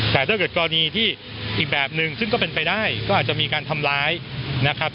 แต่ถ้าเกิดกรณีที่อีกแบบนึงซึ่งก็เป็นไปได้ก็อาจจะมีการทำร้ายนะครับ